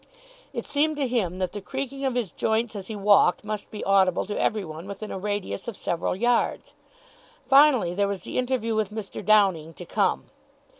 It seemed to him that the creaking of his joints as he walked must be audible to every one within a radius of several yards. Finally, there was the interview with Mr. Downing to come.